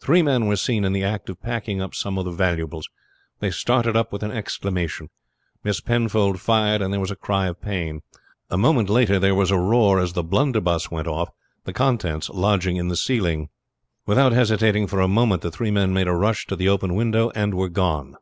Three men were seen in the act of packing up some of the valuables. They started up with an exclamation. Miss Penfold fired, and there was a cry of pain. A moment later there was a roar as the blunderbuss went off, the contents lodging in the ceiling. "Without hesitating for a moment the three men made a rush to the open window, and were gone.